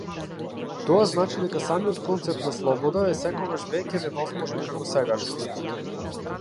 Тоа значи дека самиот концепт на слобода е секогаш веќе невозможен како сегашност.